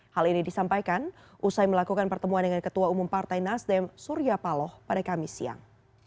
hal ini disampaikan usai melakukan pertemuan dengan ketua umum partai nasdem surya paloh pada kamis siang